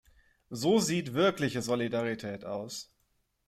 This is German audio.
So sieht wirkliche Solidarität aus.